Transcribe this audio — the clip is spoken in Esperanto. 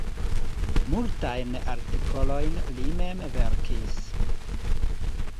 Multajn artikolojn li mem verkis.